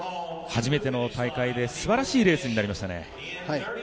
初めての大会ですばらしいレースになりましたね。